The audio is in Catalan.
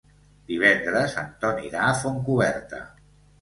Divendres en Ton irà a Fontcoberta.